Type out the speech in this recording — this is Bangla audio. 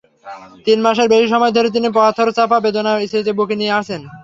তিন মাসের বেশি সময় ধরে তিনি পাথরচাপা বেদনার স্মৃতি বুকে নিয়ে আছেন।